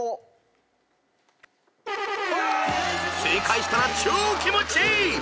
［正解したら超気持ちいい！］